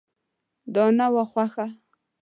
دا نه وه خوښه.